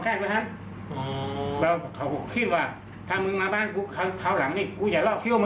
ครบชา